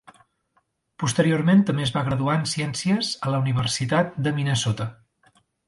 Posteriorment també es va graduar en ciències a la Universitat de Minnesota.